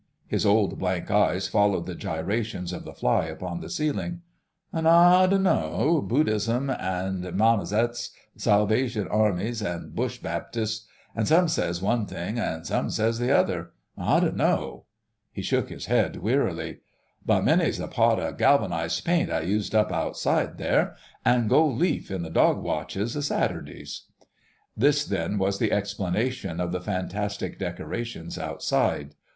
His old blank eyes followed the gyrations of the fly upon the ceiling. "An' I dunno.... Buddhas an' Me 'ommets, Salvation Armies, an' Bush Baptists, ... an' some says one thing an' some says the other. I dunno..." He shook his head wearily. "But many's the pot of galvanised paint I used up outside there ... an' goldleaf, in the dog watches a Saturdays." This, then, was the explanation of the fantastic decorations outside.